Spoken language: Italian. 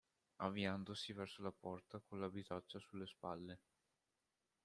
Avviandosi verso la porta con la bisaccia sulle spalle.